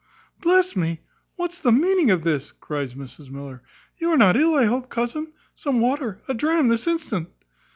"Bless me! what's the meaning of this?" cries Mrs Miller; "you are not ill, I hope, cousin? Some water, a dram this instant."